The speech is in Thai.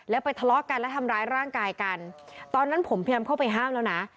แล้วไปทะเลาะกันและทำร้ายร่างกายกันตอนนั้นผมพยายามเข้าไปห้ามแล้วนะ